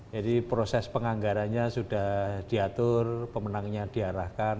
jadi proses penganggarannya sudah diatur pemenangnya diarahkan